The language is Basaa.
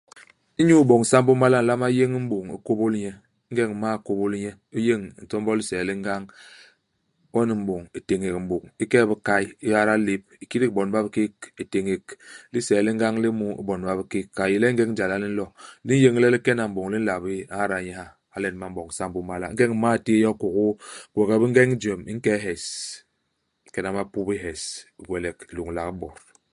Inyu iboñ sambô i mala u nlama yéñ m'bôñ, u kôbôl nye. Ingeñ u m'mal kôbôl nye, u yéñ ntombo u lisee li ngañ. Won u m'boñ, u téñék m'bôñ. U kee i bikay, u ada lép. U kidik bon ba bikék u téñék i lisee li ngañ li mu i bon ba bikék. Ka i yé le ingeñ jala li nlo., li nyéñ le li kena m'bôn, li nla bé. U ñada nye ha. Hala nyen ba m'boñ sambo i mala. Ingeñ u m'mal téé yo kôkôa, gwegwes bi ngeñ jwem, u nke ihés. U nkena mapubi ihes. U gwelek u lôñlak i bot.